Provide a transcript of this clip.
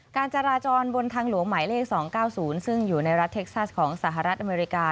การจราจรบนทางหลวงหมายเลข๒๙๐ซึ่งอยู่ในรัฐเท็กซัสของสหรัฐอเมริกา